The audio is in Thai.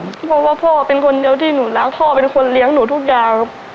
เพราะว่าพ่อเป็นคนเดียวที่หนูรักพ่อเป็นคนเลี้ยงหนูทุกอย่างครับ